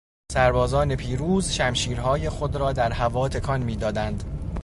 سربازان پیروز، شمشیرهای خود را در هوا تکان میدادند.